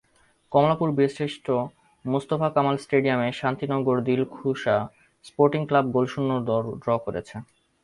কমলাপুর বীরশ্রেষ্ঠ মোস্তফা কামাল স্টেডিয়ামে Shantinagar Dilkhusha sporting club গোলশূন্য ড্র করেছে।